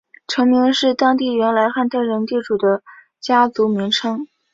城名是当地原来汉特人地主的家族名称。